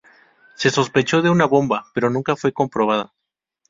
Se sospechó de una bomba, pero nunca fue comprobada.